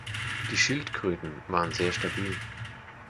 Die „Schildkröten“ waren sehr stabil.